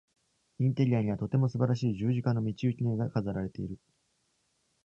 インテリアには、とても素晴らしい十字架の道行きの絵が飾られている。